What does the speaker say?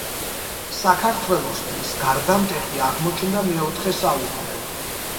საქართველოსთვის გარდამტეხი აღმოჩნდა მეოთხე საუკუნე